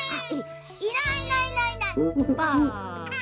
「いないいないいないばあ」。